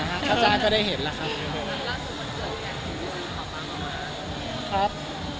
จ้างก็ได้เห็นละครับ